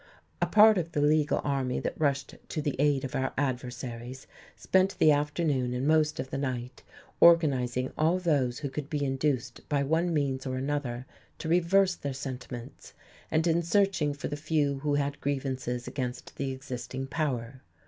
A part of the legal army that rushed to the aid of our adversaries spent the afternoon and most of the night organizing all those who could be induced by one means or another to reverse their sentiments, and in searching for the few who had grievances against the existing power.